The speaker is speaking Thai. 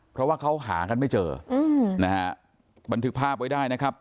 เพราะว่าเขาหากันไม่เจออืมนะฮะบันทึกภาพไว้ได้นะครับ